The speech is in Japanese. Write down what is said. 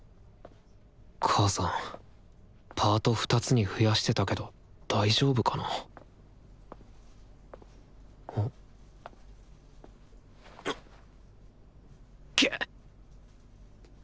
母さんパート２つに増やしてたけど大丈夫かなげっ！